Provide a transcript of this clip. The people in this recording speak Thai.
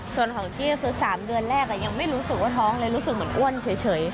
ส่วนของกี้คือ๓เดือนแรกยังไม่รู้สึกว่าท้องเลยรู้สึกเหมือนอ้วนเฉย